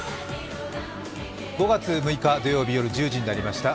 ５月６日土曜日夜１０時になりました。